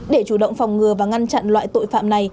để chủ động phòng ngừa và ngăn chặn loại tội phạm này